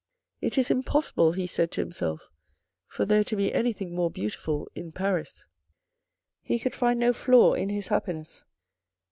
" It is impossible," he said to himself "for there to be anything more beautiful in Paris." He could find no flaw in his happiness.